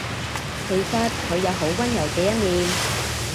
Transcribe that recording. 其實佢有好溫柔嘅一面